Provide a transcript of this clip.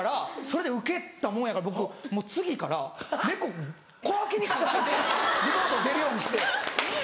それでウケたもんやから僕もう次から猫小脇に抱えてリモート出るようにして。